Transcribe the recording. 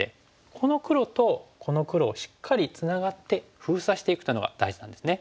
この黒とこの黒をしっかりツナがって封鎖していくっていうのが大事なんですね。